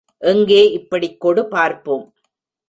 எங்கே இப்படிக் கொடு பார்ப்போம்.